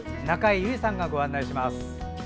中江有里さんがご案内します。